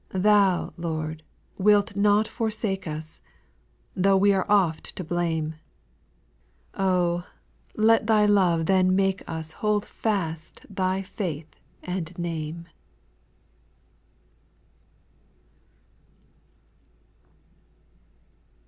Thou, Lord, wilt not forsake us, Though we are oft to blame ; Oh I let Thy love then make us Hold fast Thy faith and name.